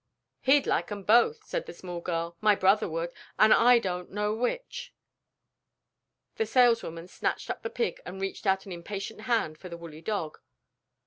"He'd like 'em both," said the small girl, "my brother would, an' I don't know which." The saleswoman snatched up the pig and reached out an impatient hand for the woolly dog.